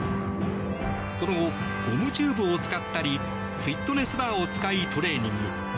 その後、ゴムチューブを使ったりフィットネスバーを使いトレーニング。